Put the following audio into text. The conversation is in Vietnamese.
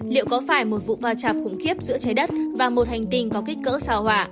liệu có phải một vụ va chạm khủng khiếp giữa trái đất và một hành tinh có kích cỡ xào hỏa